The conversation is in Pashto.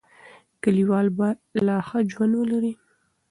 کلیوال به لا ښه ژوند ولري.